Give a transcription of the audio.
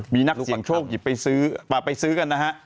มีนักเสี่ยงโชคหยิบไปซื้อกันนะครับ